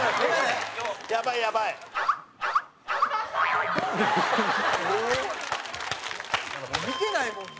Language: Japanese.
蛍原：見てないもんね。